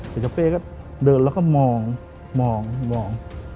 แต่เจ้าเป้ก็เดินแล้วก็มองมอง